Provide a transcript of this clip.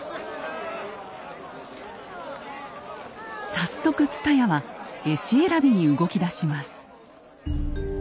早速蔦屋は絵師選びに動きだします。